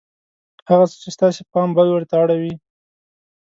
هغه څه چې ستاسې پام بل لور ته اړوي